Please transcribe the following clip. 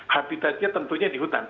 habitatnya tentunya di hutan